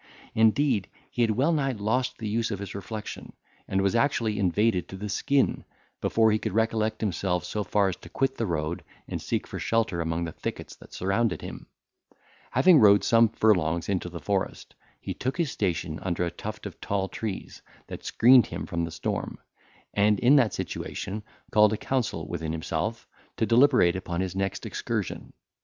Indeed, he had well nigh lost the use of his reflection, and was actually invaded to the skin, before he could recollect himself so far as to quit the road, and seek for shelter among the thickets that surrounded him. Having rode some furlongs into the forest, he took his station under a tuft of tall trees, that screened him from the storm, and in that situation called a council within himself, to deliberate upon his next excursion.